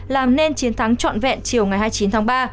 làm nên chiến thắng trọn vẹn chiều ngày hai mươi chín tháng ba